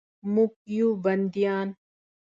موږ یو بندیان